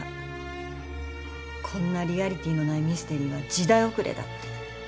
こんなリアリティーのないミステリーは時代遅れだって。